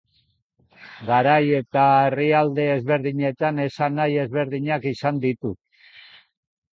Garai eta herrialde ezberdinetan esanahi ezberdinak izan ditu.